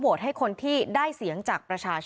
โหวตตามเสียงข้างมาก